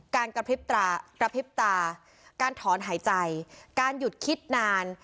การกระพริบตาการถอนหายใจการหยุดคิดนาน